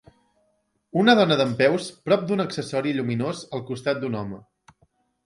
Una dona dempeus prop d'un accessori lluminós al costat d'un home.